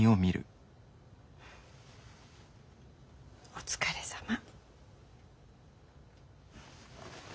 お疲れさま。